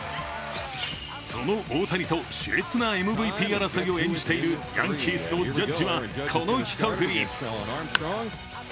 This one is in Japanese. その大谷としれつなＭＶＰ争いを演じているヤンキースのジャッジはこの一振り。